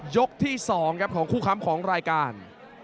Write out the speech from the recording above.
ยกที่๒ครับของคู่ค้ำของรายการ